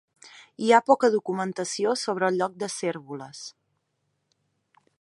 Hi ha poca documentació sobre el lloc de Cérvoles.